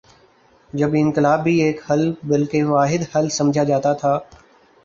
جب انقلاب بھی ایک حل بلکہ واحد حل سمجھا جاتا تھا۔